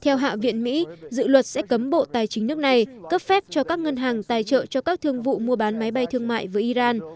theo hạ viện mỹ dự luật sẽ cấm bộ tài chính nước này cấp phép cho các ngân hàng tài trợ cho các thương vụ mua bán máy bay thương mại với iran